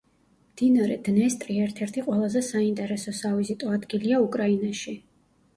მდინარე დნესტრი ერთ-ერთი ყველაზე საინტერესო სავიზიტო ადგილია უკრაინაში.